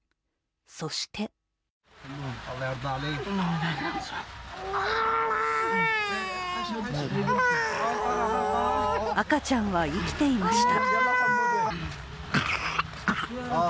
そして赤ちゃんは生きていました。